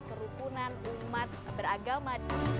kerukunan umat beragama